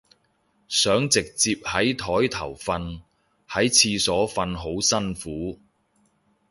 想直接喺枱頭瞓，喺廁所瞓好辛苦